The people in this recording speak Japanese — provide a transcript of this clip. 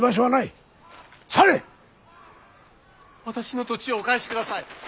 私の土地をお返しください。